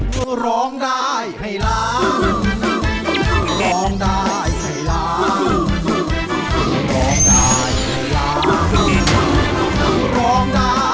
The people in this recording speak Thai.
เพื่อร้องได้ให้ล้าง